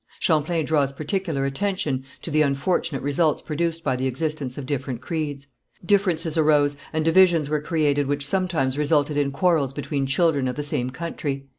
Champlain draws particular attention to the unfortunate results produced by the existence of different creeds. Differences arose, and divisions were created which sometimes resulted in quarrels between children of the same country.